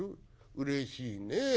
うれしいね。